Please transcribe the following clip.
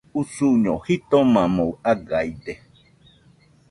Usuño jitomamo agaide.